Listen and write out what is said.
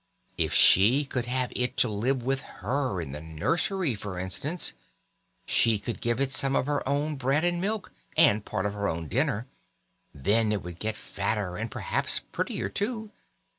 If she could have it to live with her in the nursery for instance, she could give it some of her own bread and milk, and part of her own dinner; then it would get fatter and perhaps prettier too.